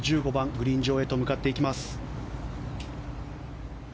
グリーン上へ向かっていきます。